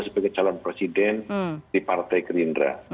sebagai calon presiden di partai gerindra